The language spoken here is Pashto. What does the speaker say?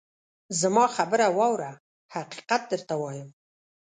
زما خبره واوره ! حقیقت درته وایم.